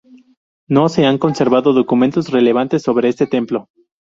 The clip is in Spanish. No se han conservado documentos relevantes sobre este templo.